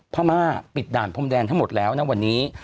พม่าปิดด่านพรมแดนทั้งหมดแล้วนะวันนี้